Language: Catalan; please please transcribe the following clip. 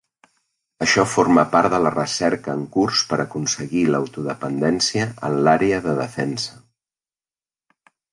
Això forma part de la recerca en curs per aconseguir l'autodependència en l'àrea de defensa.